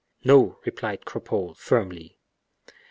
"No," replied Cropole, firmly.